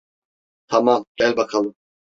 Tamam, gel bakalım.